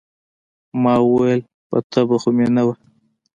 ما وويل يه تبه خو مې نه وه.